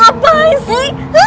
kalian tuh ngapain sih